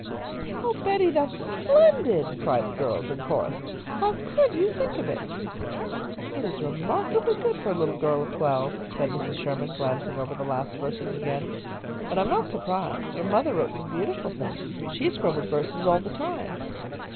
"Oh, Betty, that's splendid!" cried the girls, in chorus. "How could you think of it?" "It is remarkably good for a little girl of twelve," said Mrs. Sherman, glancing over the last verses again. "But I am not surprised. Your mother wrote some beautiful things. She scribbled verses all the time."